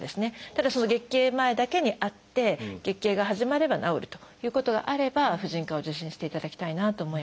ただ月経前だけにあって月経が始まれば治るということがあれば婦人科を受診していただきたいなと思います。